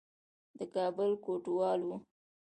د کابل کوټوال وو.